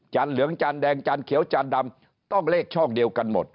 เหลืองจานแดงจานเขียวจานดำต้องเลขช่องเดียวกันหมด